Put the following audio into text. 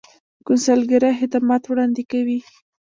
کونسلګرۍ خدمات وړاندې کوي